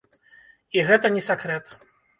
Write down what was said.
І гэта не сакрэт.